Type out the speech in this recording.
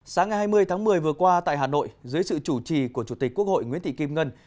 sáng ngày hai mươi tháng một mươi vừa qua tại hà nội dưới sự chủ trì của chủ tịch quốc hội nguyễn thị kim ngân